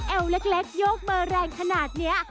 แอวเล็กโยกเบอร์แรงขนาดนี้